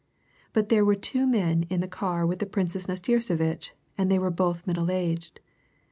But there were two men in the car with the Princess Nastirsevitch, and they were both middle aged.